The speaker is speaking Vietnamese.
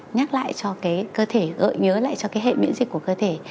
nhắc lại cho cơ thể gợi nhớ lại cho hệ miễn dịch của cơ thể